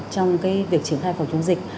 trong cái việc triển khai phòng chống dịch